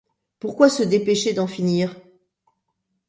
Pourquoi se dépêcher d’en finir?